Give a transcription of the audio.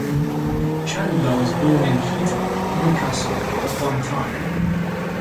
Chandler was born in Heaton, Newcastle upon Tyne.